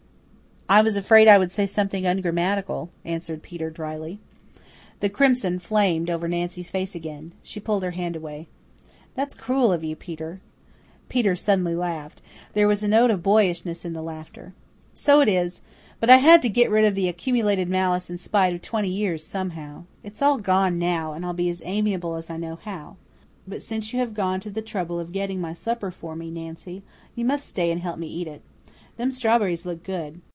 "I was afraid I would say something ungrammatical," answered Peter drily. The crimson flamed over Nancy's face again. She pulled her hand away. "That's cruel of you, Peter." Peter suddenly laughed. There was a note of boyishness in the laughter. "So it is," he said, "but I had to get rid of the accumulated malice and spite of twenty years somehow. It's all gone now, and I'll be as amiable as I know how. But since you have gone to the trouble of getting my supper for me, Nancy, you must stay and help me eat it. Them strawberries look good.